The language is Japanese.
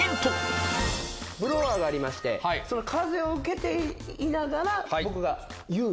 ブロワーがありまして風を受けていながら僕が言う。